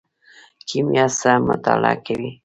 کیمیا څه مطالعه کوي؟